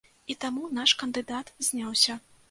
І таму наш кандыдат зняўся.